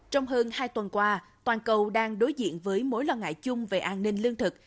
trong hơn hai tuần qua toàn cầu đang đối diện với mối lo ngại chung về an ninh lương thực